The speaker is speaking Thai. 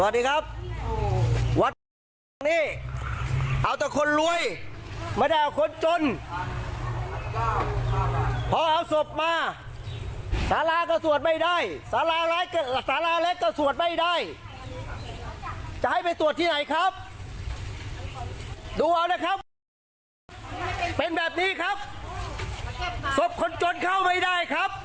ดูเอานะครับเป็นแบบนี้ครับศพคนจนเข้าไม่ได้ครับ